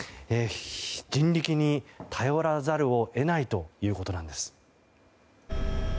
人力に頼らざるを得ないということなんです。